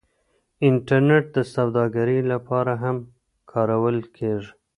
انټرنیټ د سوداګرۍ لپاره هم کارول کیږي.